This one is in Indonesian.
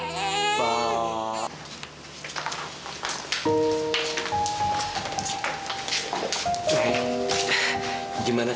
gimana keadaan dewi dan bayinya neng